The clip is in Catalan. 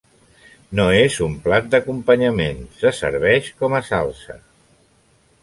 No és un plat d'acompanyament, se serveix com a salsa.